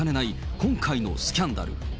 今回のスキャンダル。